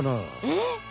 えっ？